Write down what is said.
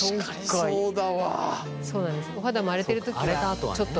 そうなんです。